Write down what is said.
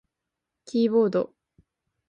キーボード